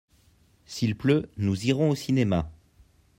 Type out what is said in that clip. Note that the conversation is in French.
S'il pleut nous irons au cinéma.